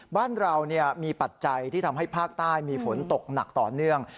บ้านเรามีปัจจัยที่ทำให้ภาคใต้มีฝนตกหนักต่อเนื่อง